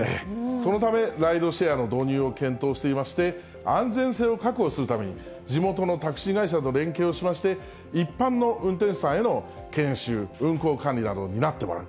そのため、ライドシェアの導入を検討していまして、安全性を確保するために、地元のタクシー会社と連携をしまして、一般の運転手さんへの研修、運行管理なども担ってもらう。